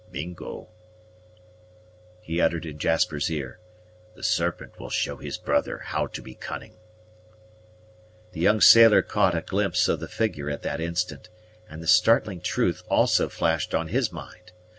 "Mingo!" he uttered in Jasper's ear. "The Serpent will show his brother how to be cunning." The young sailor caught a glimpse of the figure at that instant, and the startling truth also flashed on his mind.